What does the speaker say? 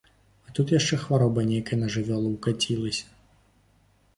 А тут яшчэ хвароба нейкая на жывёлу ўкацілася.